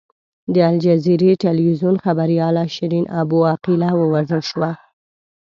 د الجزیرې ټلویزیون خبریاله شیرین ابو عقیله ووژل شوه.